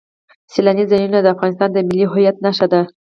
سیلانی ځایونه د افغانستان د ملي هویت نښه ده.